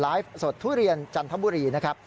สดทุเรียนจันทบุรีนะครับ